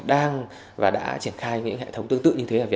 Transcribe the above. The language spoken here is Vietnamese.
đang và đã triển khai những hệ thống tương tư